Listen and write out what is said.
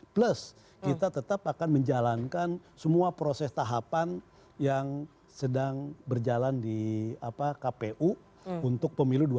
plus kita tetap akan menjalankan semua proses tahapan yang sedang berjalan di kpu untuk pemilu dua ribu sembilan belas